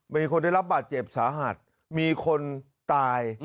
มีคนได้รับบาดเจ็บสาหัสมีคนตาย